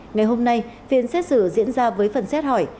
ngày hôm nay phiên xét xử diễn ra với phần xét hỏi